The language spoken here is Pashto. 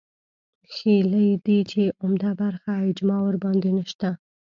ښييلي دي چې عمده برخه اجماع ورباندې نشته